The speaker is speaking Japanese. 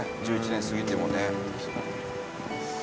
１１年過ぎてもね。